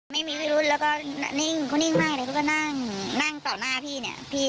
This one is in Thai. ไม่มีพิรุธแล้วก็นิ่งเขานิ่งมากเลยเขาก็นั่งนั่งต่อหน้าพี่เนี่ยพี่